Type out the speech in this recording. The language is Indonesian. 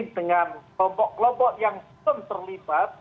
dengan kelompok kelompok yang terlibat